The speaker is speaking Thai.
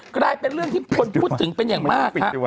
กลายเป็นเรื่องที่คนพูดถึงเป็นอย่างมากฮะ